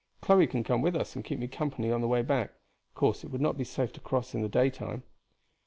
Chloe can come with us and keep me company on the way back. Of course it would not be safe to cross in the daytime."